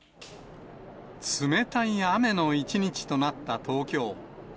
冷たい雨の一日となった東京。